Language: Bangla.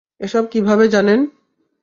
এসব কীভাবে জানেন?